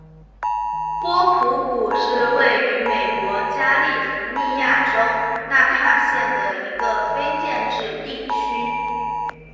波普谷是位于美国加利福尼亚州纳帕县的一个非建制地区。